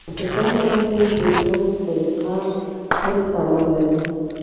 د زړه ناروغۍ د ژوند طریقه پورې تړاو لري.